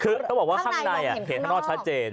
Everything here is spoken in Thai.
คือต้องบอกว่าข้างในเห็นข้างนอกชัดเจน